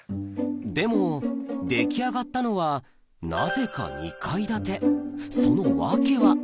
でも出来上がったのはなぜか２階建てその訳は？